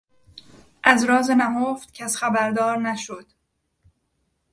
از راز نهفت کس خبردار نشد